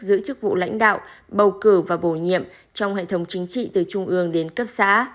giữ chức vụ lãnh đạo bầu cử và bổ nhiệm trong hệ thống chính trị từ trung ương đến cấp xã